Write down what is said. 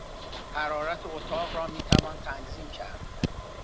حرارت اتاق را میتوان تنظیم کرد.